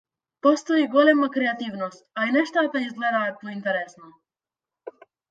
Постои голема креативност, а и нештата изгледаат поинтересно.